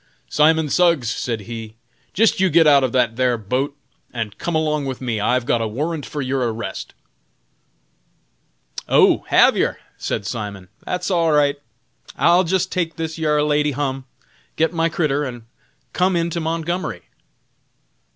"Simon Suggs," said he, "jist you git out of that thar boat and come along with me; I've got a warrant for your arrest!" "Oh! hav yer?" said Simon, "that's all right; I'll jist take this yar lady hum, git my critter, and come in to Montgomery."